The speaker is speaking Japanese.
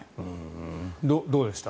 どうでした？